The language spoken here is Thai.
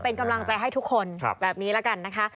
เป็นกำลังใจให้ทุกคนแบบนี้ละกันนะคะ